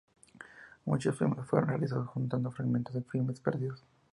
Muchos filmes fueron realizados juntando fragmentos de filmes perdidos.